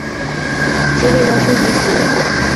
麒麟的升级棋。